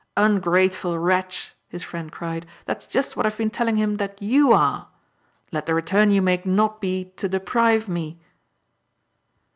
"Ungrateful wretch," his friend cried, "that's just what I've been telling him that YOU are! Let the return you make not be to deprive me